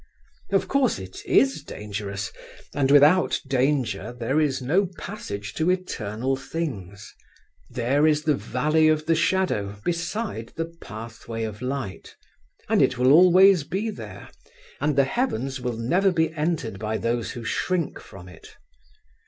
Of course it is dangerous; and without danger there is no passage to eternal things. There is the valley of the shadow beside the pathway of light, and it always will be there, and the heavens will never be entered by those who shrink from it.